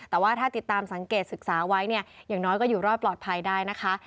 แต่ว่าถ้าติดตามสังเกตศึกษาไว้เนี่ยอย่างน้อยก็อยู่รอดปลอดภัยได้นะคะ